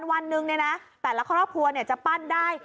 วันหนึ่งแต่ละครอบครัวจะปั้นได้